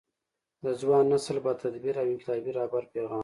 د ځوان نسل با تدبیره او انقلابي رهبر پیغام